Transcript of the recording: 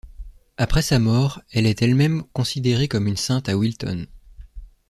Après sa mort, elle est elle-même considérée comme une sainte à Wilton.